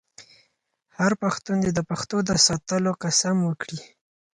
هر پښتون دې د پښتو د ساتلو قسم وکړي.